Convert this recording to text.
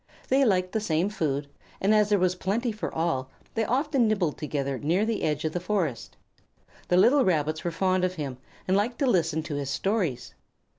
They liked the same food, and as there was plenty for all, they often nibbled together near the edge of the forest. The little Rabbits were fond of him and liked to listen to his stories.